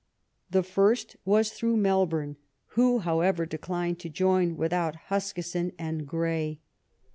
The first was through Melbourne, who, however, declined to join without Huskisson and Grey.